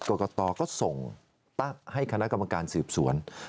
กรกตก็ส่งตั้งให้คณะกรรมการสืบสวน